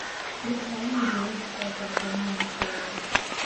Пры храме дзейнічае царкоўная школа.